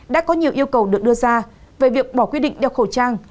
đã có nhiều yêu cầu được đưa ra về việc bỏ quy định đeo khẩu trang